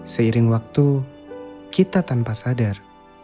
seiring waktu kita tanpa sadar